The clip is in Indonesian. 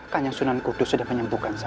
kanjang sunan kudus sudah menyembuhkan saya